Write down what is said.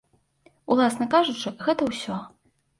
Уласна кажучы, гэта ўсё.